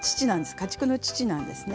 家畜の乳なんですね。